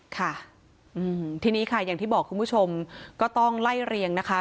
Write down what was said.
ค่ะทีนี้ค่ะอย่างที่บอกคุณผู้ชมก็ต้องไล่เรียงนะคะ